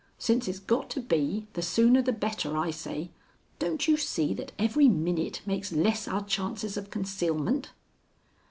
Since it's got to be, the sooner the better, I say. Don't you see that every minute makes less our chances of concealment?"